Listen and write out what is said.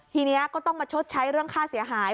ทีนี้ก็ต้องมาชดใช้เรื่องค่าเสียหาย